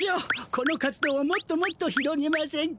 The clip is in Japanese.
この活動をもっともっと広げませんか？